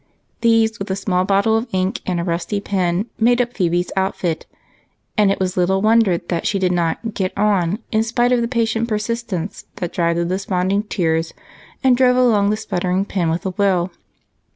These, with a small bottle of ink and a rusty pen, made up Phebe's outfit, and it was little wonder that she did not " get on " in spite of the patient per sistence that dried the desponding tears and drove along the sputtering pen with a will.